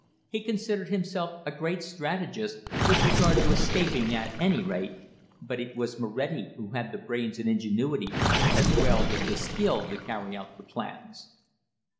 He considered himself a great strategist (with regard to escaping at any rate), but it was Moretti who had the brains and ingenuity, as well as the skill to carry out the plans.